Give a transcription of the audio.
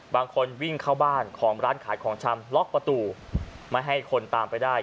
บางคนวิ่งเข้าบ้านของร้านขายของชำล็อกประตูไม่ให้คนตามไปได้